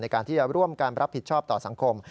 ในการที่จะร่วมกันรับผิดชอบต่อสังคม